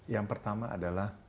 yang pertama adalah